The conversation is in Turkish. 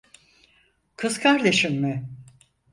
Kız kardeşim mi?